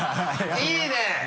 いいね！